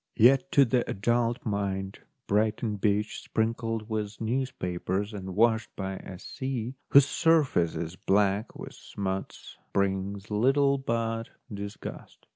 Yet to the adult mind Brighton beach, sprinkled with newspapers and washed by CHILDREN AND THE SEA 135 a sea whose surface is black with smuts, brings little but disgust.